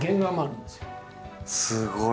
すごい！